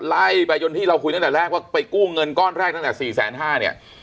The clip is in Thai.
ไล่ไปจนที่เราคุยตั้งแต่แรกว่าไปกู้เงินก้อนแรกตั้งแต่๔๕๐๐เนี่ย